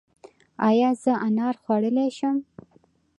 ایا زه انار خوړلی شم؟